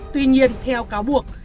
tuy nhiên theo cáo buộc